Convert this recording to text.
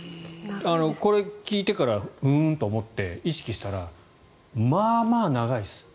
これ聞いてからふーんと思って意識したら、まあまあ長いです。